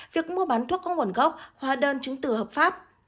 việc mua bán thuốc có nguồn gốc hóa đơn chứng từ hợp pháp